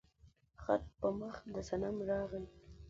خط په مخ د صنم راغى